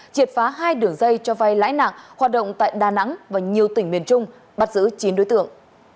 triệt phá hai đường dây cho vay lãi nặng hoạt động tại đà nẵng và nhiều tỉnh miền trung bắt giữ chín đối tượng